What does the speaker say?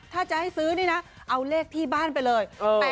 ถ้าจะให้ซื้อนี่นะเอาเลขที่บ้านไปเลย